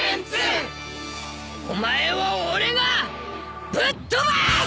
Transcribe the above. お前は俺がぶっ飛ばす！